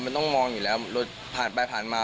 มันต้องมองอยู่แล้วรถผ่านไปผ่านมา